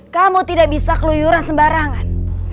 kamu tidak bisa keluyuran sembarangan